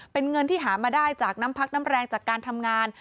เป็นเงินที่หามาได้จากน้ำพักน้ำแรงจากการทำงาน